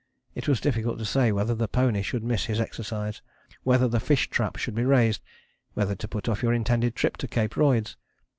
It was difficult to say whether the pony should miss his exercise, whether the fish trap should be raised, whether to put off your intended trip to Cape Royds.